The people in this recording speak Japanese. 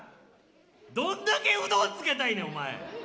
どんだけうどんつけたいんねんお前。